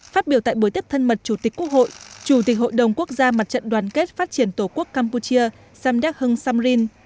phát biểu tại buổi tiếp thân mật chủ tịch quốc hội chủ tịch hội đồng quốc gia mặt trận đoàn kết phát triển tổ quốc campuchia samdak hung samrin